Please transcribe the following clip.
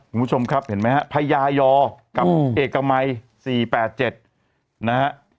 คุณผู้ชมครับเห็นไหมฮะพญายอกับเอกมัย๔๘๗นะฮะ